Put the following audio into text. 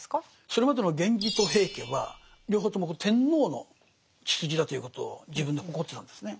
それまでの源氏と平家は両方ともこれ天皇の血筋だということを自分で誇ってたんですね。